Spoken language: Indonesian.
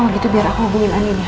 kalo gitu biar aku hubungin anin ya